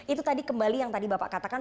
itu tadi kembali yang tadi bapak katakan